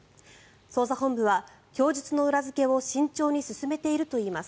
捜査本部は供述の裏付けを慎重に進めているといいます。